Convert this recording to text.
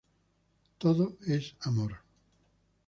Todo es amor.